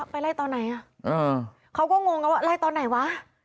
ไปไล่ตอนไหนอ่ะเขาก็งงกันว่าไล่ตอนไหนวะ